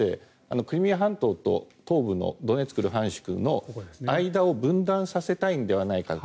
クリミア半島とドネツク、ルハンシクの間を分断させたいのではないかと。